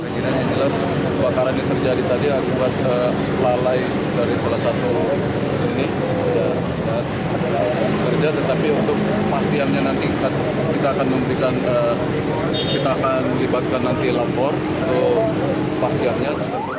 kita akan melibatkan nanti lapor untuk pahamnya